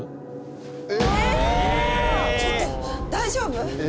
ちょっと大丈夫？